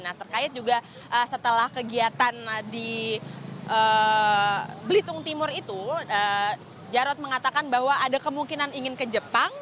nah terkait juga setelah kegiatan di belitung timur itu jarod mengatakan bahwa ada kemungkinan ingin ke jepang